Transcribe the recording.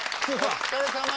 お疲れさま。